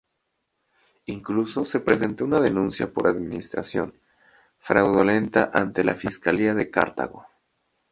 Incluso, se presentó una denuncia por administración fraudulenta ante la Fiscalía de Cartago.